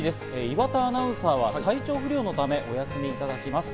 岩田アナウンサーは体調不良のため、お休みいただきます。